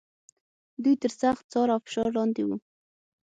دوی تر سخت څار او فشار لاندې و.